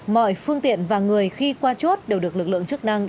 mọi phương tiện và người khi qua chốt đều được lực lượng chức năng